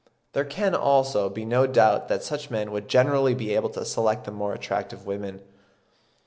There can, also, be no doubt that such men would generally be able to select the more attractive women.